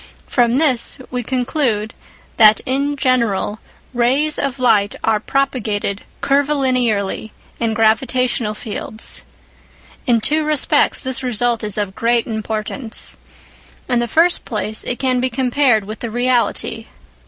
From this we conclude, that, in general, rays of light are propagated curvilinearly in gravitational fields. In two respects this result is of great importance. In the first place, it can be compared with the reality.